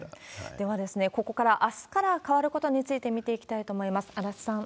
では、ここから、あすから変わることについて見ていきたいと思います。